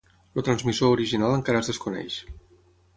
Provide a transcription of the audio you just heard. El transmissor original encara es desconeix.